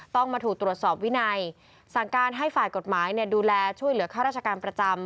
ต้องมาถูกตรวจสอบวินัยสั่งการให้ฝ่ายกฎหมายดูแลช่วยเหลือข้าราชการประจำ